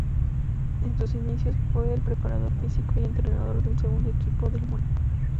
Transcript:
En sus inicios, fue el preparador físico y entrenador del segundo equipo del Mónaco.